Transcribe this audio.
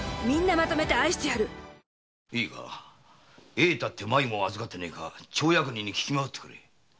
栄太って迷子を預かってねえか町役人に聞きまわってくれ。